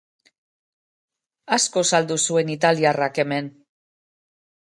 Asko saldu zuen italiarrak hemen.